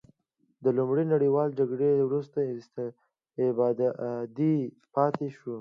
د لومړۍ نړیوالې جګړې وروسته استبدادي پاتې شوه.